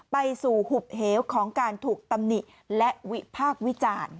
ไปสู่หุบเหวของการถูกตำหนิและวิพากษ์วิจารณ์